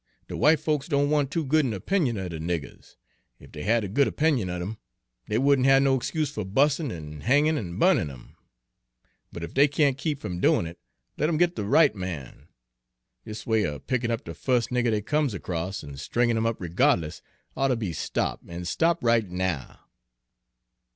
"De w'ite folks don' want too good an opinion er de niggers, ef dey had a good opinion of 'em, dey wouldn' have no excuse f er 'busin' an' hangin' an' burnin' 'em. But ef dey can't keep from doin' it, let 'em git de right man! Dis way er pickin' up de fus' nigger dey comes across, an' stringin' 'im up rega'dliss, ought ter be stop', an' stop' right now!"